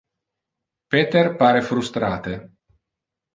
Peter pare frustrate.